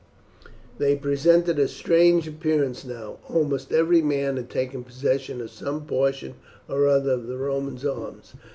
They presented a strange appearance now. Almost every man had taken possession of some portion or other of the Romans' arms.